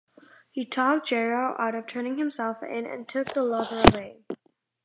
He talked Gerrow out of turning himself in and took the Luger away.